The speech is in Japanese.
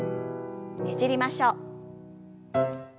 ねじりましょう。